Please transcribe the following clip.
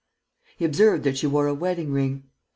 He observed that she wore a wedding ring.